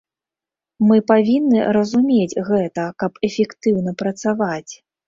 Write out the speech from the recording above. Мы павінны разумець гэта, каб эфектыўна працаваць.